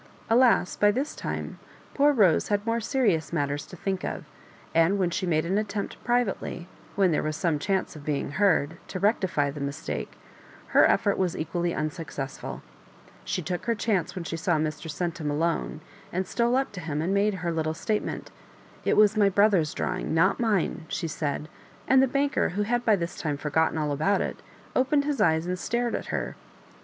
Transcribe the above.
Alas, by this tune poor Rose had more serious matters to think of I And when she made an attempt privately, when there was some chance of bemg heard, to rectify the mistake, her effort was equally unsuccess ful She took her chance when she saw Mr. Centum alone, and stole up to him, and made her little statement ''It was my brother's drawing, not mine," she said; and the banker, who had by this time forgotten all about it, opened his eyes and stared at her.